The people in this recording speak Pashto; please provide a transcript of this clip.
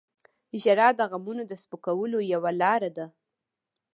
• ژړا د غمونو د سپکولو یوه لاره ده.